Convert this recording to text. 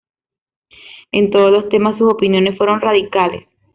En todos los temas sus opiniones fueron radicales.